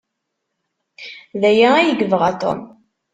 D aya ay yebɣa Tom.